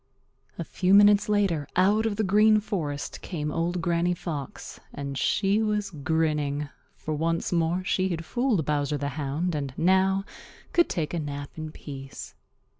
A few minutes later out of the Green Forest came Old Granny Fox, and she was grinning, for once more she had fooled Bowser the Hound and now could take a nap in peace.